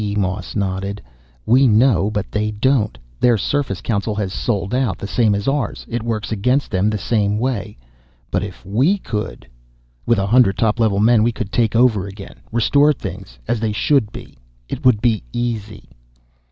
Moss nodded. "We know, but they don't. Their Surface Council has sold out, the same as ours. It works against them the same way. But if we could " "With a hundred top level men, we could take over again, restore things as they should be! It would be easy!"